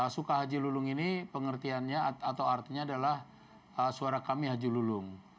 suka haji lulung ini pengertiannya atau artinya adalah suara kami haji lulung